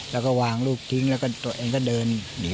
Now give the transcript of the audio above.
แล้วก็อีกคนนึง